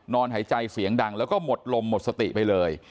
หายใจเสียงดังแล้วก็หมดลมหมดสติไปเลย